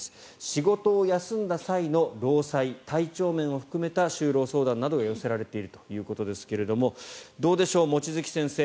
仕事を休んだ際の労災体調面を含めた就労相談などが寄せられているということですがどうでしょう、望月先生